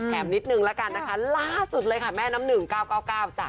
นิดนึงละกันนะคะล่าสุดเลยค่ะแม่น้ำหนึ่ง๙๙๙จ้ะ